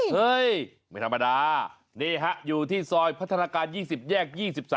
เฮ้ยไม่ธรรมดานี่ฮะอยู่ที่ซอยพัฒนาการ๒๐แยก๒๓